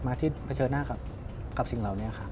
ที่เผชิญหน้ากับสิ่งเหล่านี้ครับ